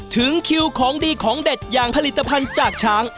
ถึงคิวของดีของเด็ดอย่างผลิตภัณฑ์จากช้าง